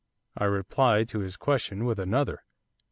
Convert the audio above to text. I replied to his question with another.